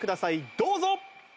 どうぞ！